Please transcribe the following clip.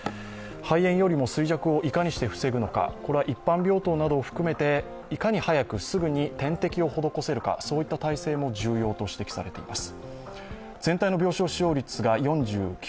肺炎よりも衰弱をいかにして防ぐのか、これは一般病棟などを含めて、いかに早く、すぐに点滴を施せるか、そういった体制も重要と指摘されています。